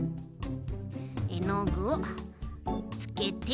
えのぐをつけて。